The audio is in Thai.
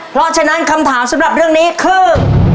เพราะฉะนั้นคำถามสำหรับเรื่องนี้คือ